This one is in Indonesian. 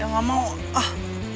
ya gak mau ah